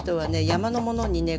山のものにね